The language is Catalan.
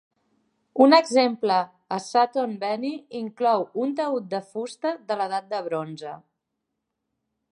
Un exemple a Sutton Veny inclou un taüt de fusta de l'edat del bronze.